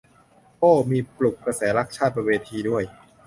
โอ้ มีปลุกกระแสรักชาติบนเวทีด้วย